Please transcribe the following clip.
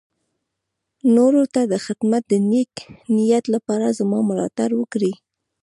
نورو ته د خدمت د نېک نيت لپاره زما ملاتړ وکړي.